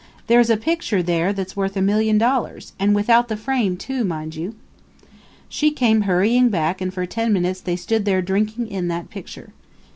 There's a picture there that's worth a million dollars and without the frame, too, mind you!' "She came hurrying back and for ten minutes they stood there drinking in that picture.